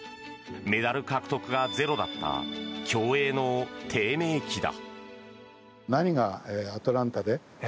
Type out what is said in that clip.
メダル獲得がゼロだった競泳の低迷期だ。